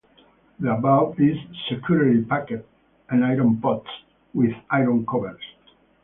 The above is securely packed in iron pots, with iron covers.